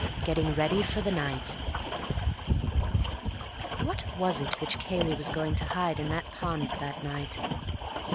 Getting Ready for the Night What was it which Cayley was going to hide in that pond that night?